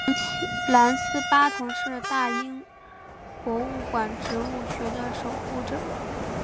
兰斯巴腾是大英博物馆植物学的守护者。